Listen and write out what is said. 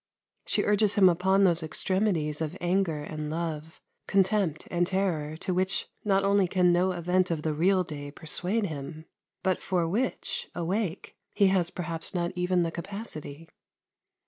She urges him upon those extremities of anger and love, contempt and terror to which not only can no event of the real day persuade him, but for which, awake, he has perhaps not even the capacity.